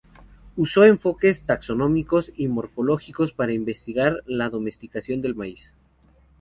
Usó enfoques taxonómicos y morfológicos para investigar la domesticación del maíz.